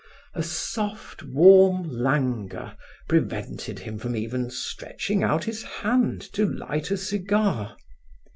A soft warm languor prevented him from even stretching out his hand to light a cigar.